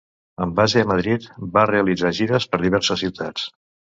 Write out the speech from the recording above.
Amb base a Madrid va realitzar gires per diverses ciutats.